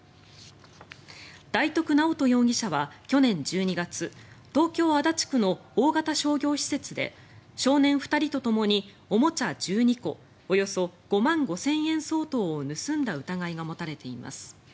大徳直人容疑者は去年１２月東京・足立区の大型商業施設で少年２人とともにおもちゃ１２個およそ５万５０００円相当を盗んだ疑いが持たれています。